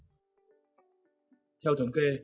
theo thống kê